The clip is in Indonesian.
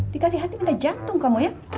dikasih hati minta jantung kamu ya